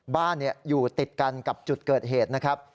บ้านอยู่ติดกันกับจุดเกิดเหตุนะครับ